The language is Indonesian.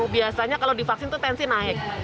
biasanya kalau divaksin itu tensi naik